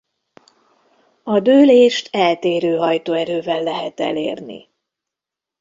A dőlést eltérő hajtóerővel lehet elérni.